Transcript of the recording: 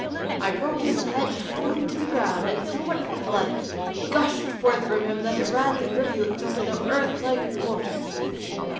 I brought his head tumbling to the ground, and so much blood gushed forth from him that it ran in rivulets over the earth like water."